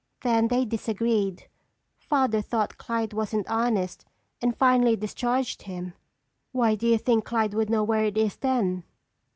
Then they disagreed. Father thought Clyde wasn't honest and finally discharged him." "Why do you think Clyde would know where it is then?"